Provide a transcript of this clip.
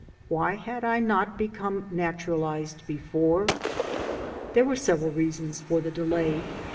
Why had I not become naturalized before? There were several reasons for the delay.